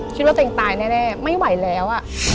คิดว่าตัวเองตายแน่ไม่ไหวแล้ว